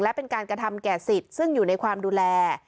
และเป็นการกระทำแก่สิทธิ์ซึ่งอยู่ในความดูแล